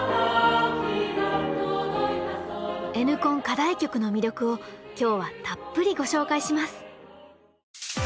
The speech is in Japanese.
課題曲の魅力を今日はたっぷりご紹介します！